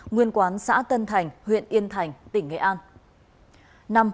nguyên quán xã tân thành huyện yên thành tỉnh nghệ an